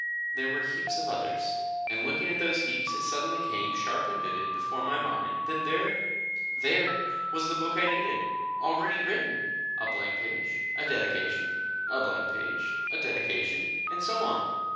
There were heaps of others. And looking at those heaps it suddenly came sharp and vivid before my mind that there there was the book I needed, already written! A blank page, a dedication, a blank page, a dedication, and so on.